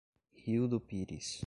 Rio do Pires